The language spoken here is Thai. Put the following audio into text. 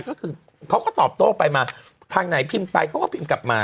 ก็คือเขาก็ตอบโต้ไปมาทางไหนพิมพ์ไปเขาก็พิมพ์กลับมา